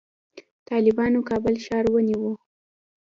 طالبانو کابل ښار ونیو